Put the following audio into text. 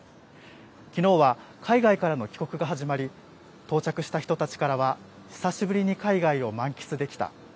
きのうは海外からの帰国が始まり、到着した人たちからは、久しぶりに海外を満喫できた。